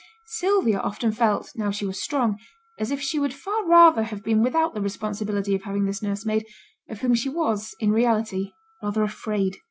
Sylvia often felt, now she was strong, as if she would far rather have been without the responsibility of having this nursemaid, of whom she was, in reality, rather afraid.